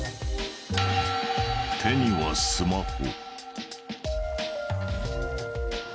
手にはスマホ。